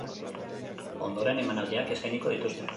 Ondoren emanaldiak eskainiko dituzte.